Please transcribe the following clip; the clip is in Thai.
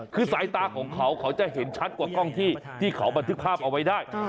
คือสายตาของเขาเขาจะเห็นชัดกว่ากล้องที่เขาบันทึกภาพเอาไว้ได้